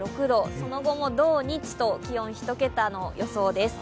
その後も土、日と気温、一桁の予想です。